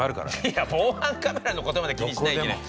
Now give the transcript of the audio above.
いや防犯カメラのことまで気にしなきゃいけない。